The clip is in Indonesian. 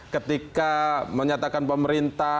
ketika menyatakan pemerintah